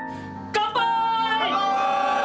乾杯！